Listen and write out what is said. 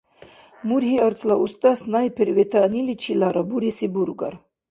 Мургьи-арцла уста снайпер ветаъниличилара буреси бургар.